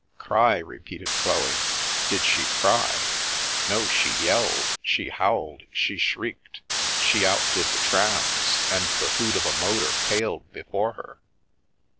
" Cry !" repeated Chloe. " Did she cry ? No — she yelled, she howled, she shrieked, she outdid the trams, and the hoot of a motor paled before her.